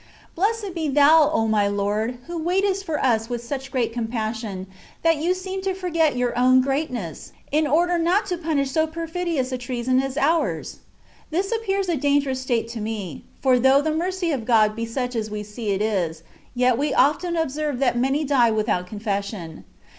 Blessed be Thou, O my Lord ! who waitest for us with such great compassion, that you seem to forget your own greatness, in order not to punish so perfi dious a treason as ours ! This appears a dangerous state to me ; for though the mercy of God be such as we see it is, yet we often observe that many die without confession.